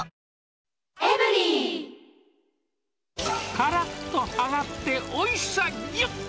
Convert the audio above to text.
からっと揚がっておいしさぎゅっ。